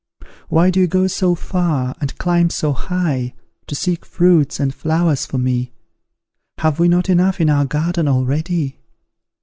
Why do you go so far, and climb so high, to seek fruits and flowers for me? Have we not enough in our garden already?